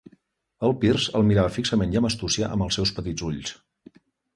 El Pearce el mirava fixament i amb astúcia amb els seus petits ulls.